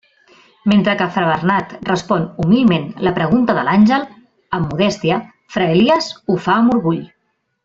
Mentre que fra Bernat respon «humilment» la pregunta de l'àngel, amb modèstia, fra Elies ho fa «amb orgull».